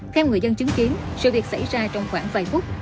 theo người dân chứng kiến sự việc xảy ra trong khoảng vài phút